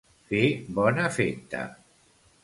Fer bon efecte.